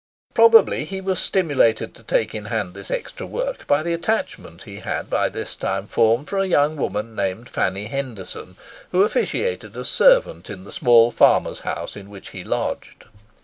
Probably he was stimulated to take in hand this extra work by the attachment he had by this time formed for a young woman named Fanny Henderson, who officiated as servant in the small farmer's house in which he lodged.